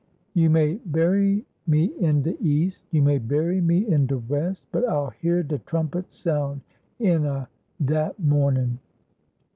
"You may bury me in de East, You may bury me in de West, But I'll hear de trumpet sound In a dat mornin'."